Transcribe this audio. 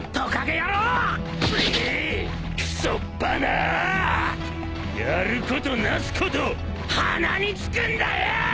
やることなすこと鼻につくんだよ！